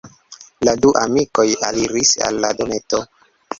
La du amikoj aliris al la dometo.